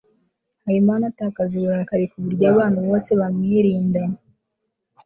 habimana atakaza uburakari ku buryo abantu bose bamwirinda